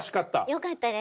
よかったです。